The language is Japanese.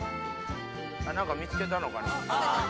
何か見つけたのかな？